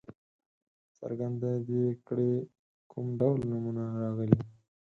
څرګنده دې کړي کوم ډول نومونه راغلي.